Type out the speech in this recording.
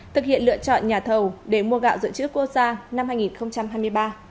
thực hiện lựa chọn nhà thầu để mua gạo dự trữ quốc gia năm hai nghìn hai mươi ba